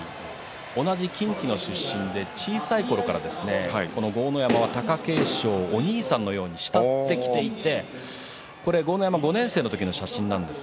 同じ近畿の出身で小さいころから豪ノ山は、貴景勝をお兄さんのように慕ってきていてこれは豪ノ山５年生の時の写真です。